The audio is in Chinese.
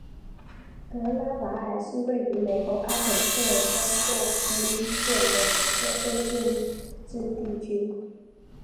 德拉瓦尔是位于美国阿肯色州洛根县的一个非建制地区。